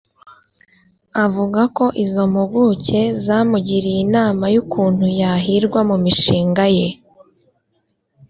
Avuga ko izo mpuguke zamugiriye inama y’ukuntu yahirwa mu mishinga ye